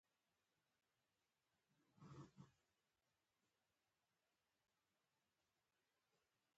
چوکۍ د صحن ښایست زیاتوي.